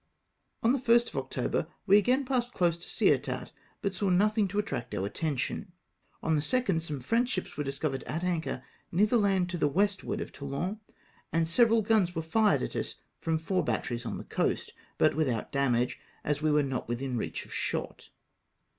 On the 1st of October we again passed close to Ciotat, but saw nothing to attract our attention. On the 2nd some French ships were discovered at anchor near the land to the westward of Toulon, and several guns were fired at us fi'om four batteries on the coast, but without damage, as we were not within reach of shot.